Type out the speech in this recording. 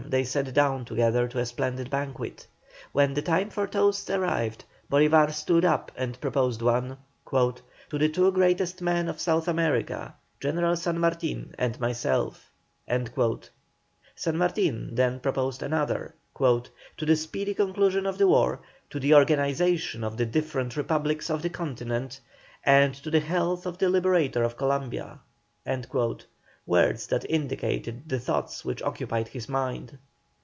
they sat down together to a splendid banquet. When the time for toasts arrived, Bolívar stood up and proposed one: "To the two greatest men of South America General San Martin and myself." San Martin then proposed another: "To the speedy conclusion of the war; to the organization of the different Republics of the Continent; and to the health of the Liberator of Columbia;" words that indicated the thoughts which occupied his mind.